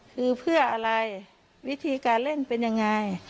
คือเพื่ออะไรวิธีการเล่นเป็นยังไง